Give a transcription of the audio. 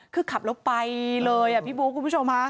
คือขับแล้วไปเลยพี่บุ๊คคุณผู้ชมค่ะ